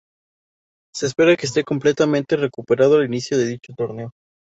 Se espera que este completamente recuperando al inicio de dicho torneo.